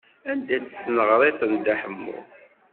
Anda-tt tneɣrit n Dda Ḥemmu?